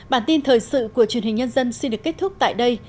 bản tin thời sự của truyền hình nhân dân xin được kết thúc tại đây